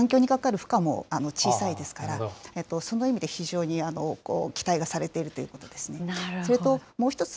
その分、環境にかかる負荷も小さいですから、その意味で非常に期待がされているということですね。